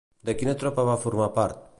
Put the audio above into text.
De quina tropa va formar part?